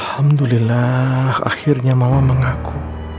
alhamdulillah akhirnya mama mengaku